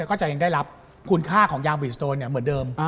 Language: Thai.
แล้วก็จะยังได้รับคุณค่าของยางบีสโตนเหมือนเดิม